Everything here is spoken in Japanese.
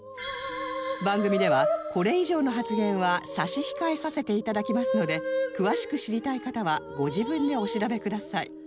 番組ではこれ以上の発言は差し控えさせていただきますので詳しく知りたい方はご自分でお調べください